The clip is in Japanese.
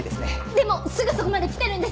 でもすぐそこまで来てるんです。